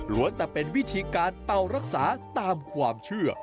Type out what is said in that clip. แต่เป็นวิธีการเป่ารักษาตามความเชื่อ